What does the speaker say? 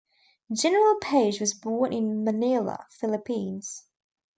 General Page was born in Manila, Philippines.